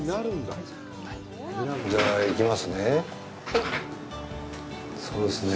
じゃあ、いきますね。